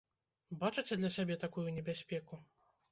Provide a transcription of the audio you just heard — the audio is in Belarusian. Бачыце для сябе такую небяспеку?